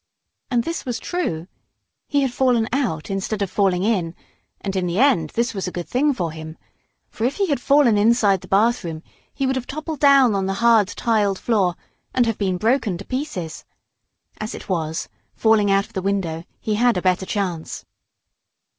And this was true. He had fallen out instead of falling in, and, in the end, this was a good thing for him. For if he had fallen inside the bathroom he would have toppled down on the hard, tiled floor, and have been broken to pieces. As it was, falling out of the window, he had a better chance.